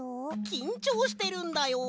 きんちょうしてるんだよ。